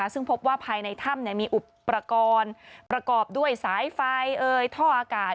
ซึ่งพบว่าภายในถ้ำมีอุปกรณ์ประกอบด้วยสายไฟท่ออากาศ